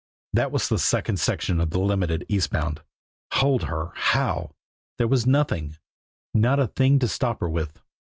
That was the second section of the Limited, east bound. Hold her! How? There was nothing not a thing to stop her with.